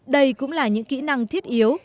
đây cũng là những kỹ năng thiết yếu